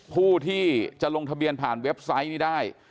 ผู้ที่จะลงทะเบียนผ่านเว็บไซต์นี้ได้